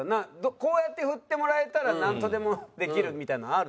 こうやって振ってもらえたらなんとでもできるみたいなのはあるんですか？